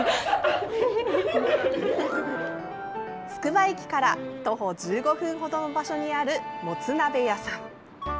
つくば駅から徒歩１５本程の場所にあるもつ鍋屋さん。